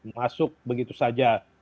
masuk begitu saja